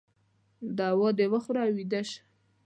دوا د وخوره او ویده شه